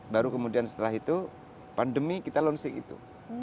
baru kemudian setelah itu pandemi kita launching itu